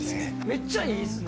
めっちゃいいですね。